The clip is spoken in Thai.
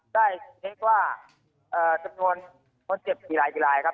ได้เช็คว่าจำนวนคนเจ็บกี่รายกี่รายครับ